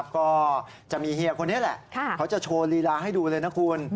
ก็จะมีเฮียคนนี้แหละเขาจะโชว์ลีลาให้ดูเลยนะคุณ